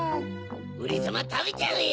オレさまたべちゃうよ！